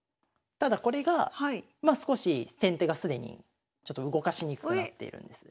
ただこれがまあ少し先手が既にちょっと動かしにくくなっているんです。